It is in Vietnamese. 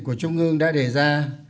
của trung ương đã đề ra